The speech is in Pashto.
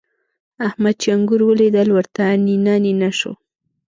احمد چې انګور وليدل؛ ورته نينه نينه شو.